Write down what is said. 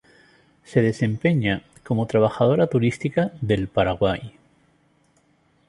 Se desempeña como embajadora turística del Paraguay.